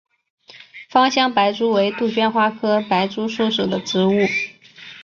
芳香白珠为杜鹃花科白珠树属的植物。